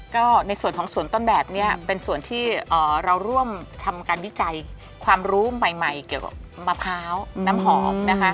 ก็ในส่วนของสวนต้นแบบนี้เป็นส่วนที่เราร่วมทำการวิจัยความรู้ใหม่เกี่ยวกับมะพร้าวน้ำหอมนะคะ